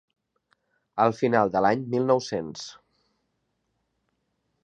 Al final de l'any mil nou-cents.